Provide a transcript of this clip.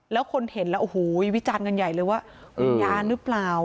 แล้วคนเห็นแล้วโอ้โหวิจารณ์กันใหญ่เลยว่าวิญญาณหรือเปล่า